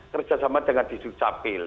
kerjasama dengan disiplin